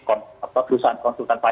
atau perusahaan konsultan pahit